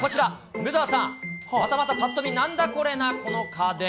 梅澤さん、またまたぱっと見なんだこれなこの家電。